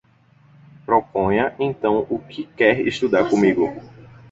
Proponha, então, o que quer estudar comigo.